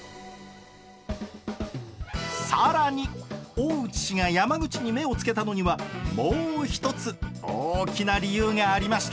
更に大内氏が山口に目をつけたのにはもう一つ大きな理由がありました。